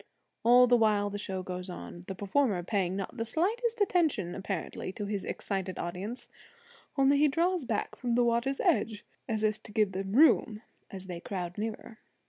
All the while the show goes on, the performer paying not the slightest attention apparently to his excited audience; only he draws slowly back from the water's edge, as if to give them room as they crowd nearer.